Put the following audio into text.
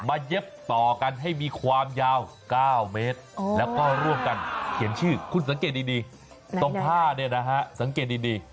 เย็บต่อกันให้มีความยาว๙เมตรแล้วก็ร่วมกันเขียนชื่อคุณสังเกตดีตรงผ้าเนี่ยนะฮะสังเกตดี